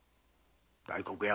大黒屋。